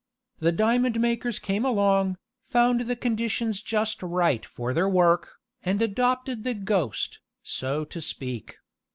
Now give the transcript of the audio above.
The diamond makers came along, found the conditions just right for their work, and adopted the ghost, so to speak.